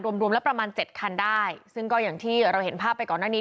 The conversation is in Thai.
รวมรวมแล้วประมาณเจ็ดคันได้ซึ่งก็อย่างที่เราเห็นภาพไปก่อนหน้านี้